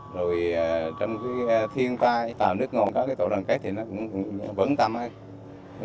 rồi trong cái thiên tai tàu nước ngồn các tổ đoàn kết thì nó cũng vẫn tâm ai